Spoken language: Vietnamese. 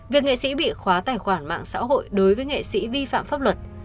việc nghệ sĩ bị khóa tài khoản mạng xã hội đối với nghệ sĩ vi phạm pháp luật